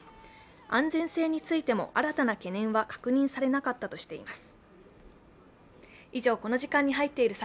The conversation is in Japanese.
安全性についても新たな懸念は確認されなかったとしています。